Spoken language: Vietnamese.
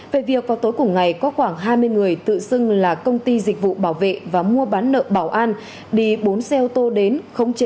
về việc vào tối cùng ngày có khoảng hai mươi người tự xưng là công ty dịch vụ bảo vệ và mua bán nợ bảo an đi bốn xe ô tô đến